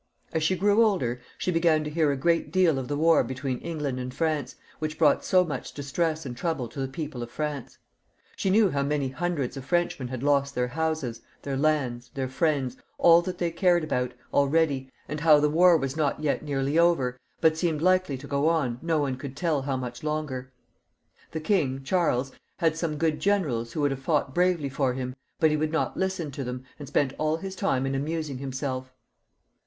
As she grew older, she began to hear a great deal of the war between England and France, which brought so much distress and trouble to the people of France. She knew how many hundreds of Frenchmen had lost their houses, their lands, their friends, aU that they cared about, already, and how the war was not yet nearly over, but seemed likely to go on, no one could tell how much longer. The king, Charles, had some good generals who would have fought bravely for him, but he would not listen to them, and spent all his time in amus ing himself.